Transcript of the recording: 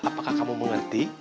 apakah kamu mengerti